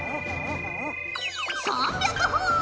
３００ほぉ！